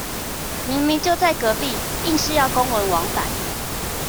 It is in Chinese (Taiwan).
明明就在隔壁，硬是要公文往返